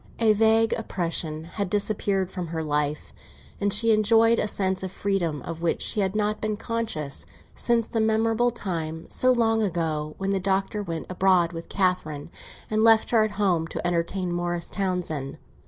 A vague oppression had disappeared from her life, and she enjoyed a sense of freedom of which she had not been conscious since the memorable time, so long ago, when the Doctor went abroad with Catherine and left her at home to entertain Morris Townsend.